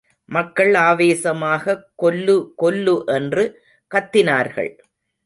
மக்கள் ஆவேசமாகக் கொல்லு, கொல்லு என்று கத்தினார்கள்.